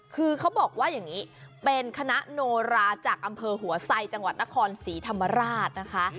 คือเขาบอกว่าอย่างนี้เป็นคณะโนราจากอำเภอหัวไซจังหวัดนครศรีธรรมราชนะคะ